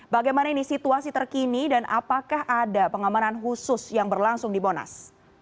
bagaimana ini situasi terkini dan apakah ada pengamanan khusus yang berlangsung di monas